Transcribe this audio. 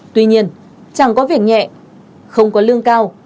tuy nhiên chẳng có việc nhẹ không có lương cao